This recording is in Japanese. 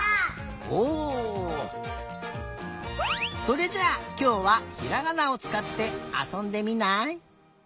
それじゃあきょうはひらがなをつかってあそんでみない？